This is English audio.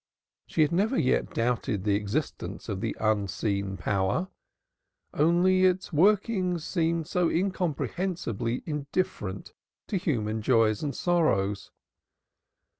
She had never yet doubted the existence of the Unseen Power; only its workings seemed so incomprehensibly indifferent to human joys and sorrows.